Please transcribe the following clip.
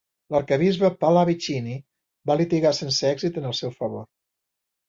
L'arquebisbe Pallavicini va litigar sense èxit en el seu favor.